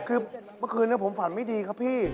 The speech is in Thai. คือเมื่อคืนนี้ผมฝันไม่ดีครับพี่